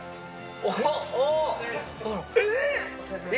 おっ！